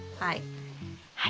はい。